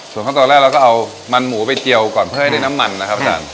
ส่วนขั้นตอนแรกเราก็เอามันหมูไปเจียวก่อนเพื่อให้ได้น้ำมันนะครับอาจารย์